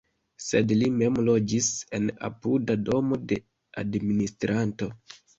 Sed li mem loĝis en apuda domo de administranto.